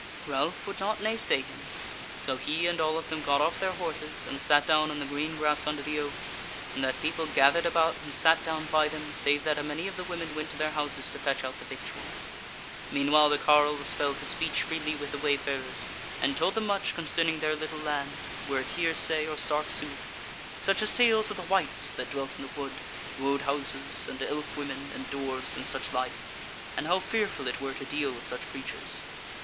Ralph would not naysay him; so he and all of them got off their horses, and sat down on the green grass under the oak: and that people gathered about and sat down by them, save that a many of the women went to their houses to fetch out the victual. Meanwhile the carles fell to speech freely with the wayfarers, and told them much concerning their little land, were it hearsay, or stark sooth: such as tales of the wights that dwelt in the wood, wodehouses, and elf women, and dwarfs, and such like, and how fearful it were to deal with such creatures.